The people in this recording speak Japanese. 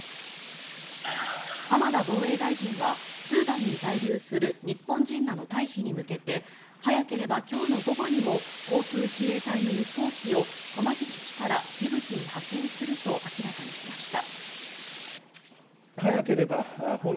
浜田防衛大臣はスーダンに在留する日本人らの退避に向けて早ければ今日の午後にも航空自衛隊の輸送機を小牧基地からジブチに派遣すると明らかにしました。